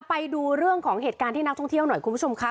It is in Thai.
ไปดูเรื่องของเหตุการณ์ที่นักท่องเที่ยวหน่อยคุณผู้ชมค่ะ